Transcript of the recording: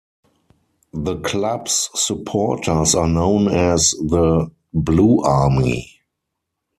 The club's supporters are known as the "Blue Army".